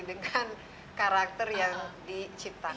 dengan karakter yang diciptakan